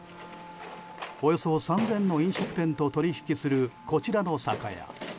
およそ３０００の飲食店と取引するこちらの酒屋。